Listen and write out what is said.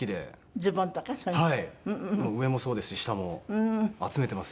上もそうですし下も集めてます